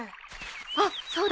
あっそうだ！